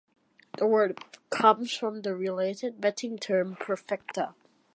The word comes from the related betting term, perfecta.